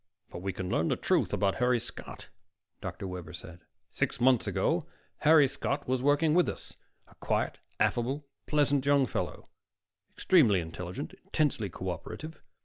"But we can learn the truth about Harry Scott," Dr. Webber broke in. "Six months ago, Harry Scott was working with us, a quiet, affable, pleasant young fellow, extremely intelligent, intensely co operative.